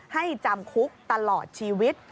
จำคุกตลอดชีวิต